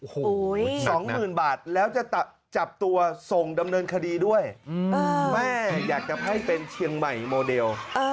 โอ้โหสองหมื่นบาทแล้วจะจับตัวส่งดำเนินคดีด้วยแม่อยากจะให้เป็นเชียงใหม่โมเดล